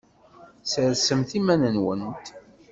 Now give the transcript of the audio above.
Ssersemt iman-nwent.